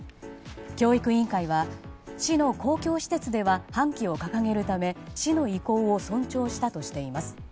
教育委員会は市の教育施設では半旗を掲げるため、市の意向を尊重したとしています。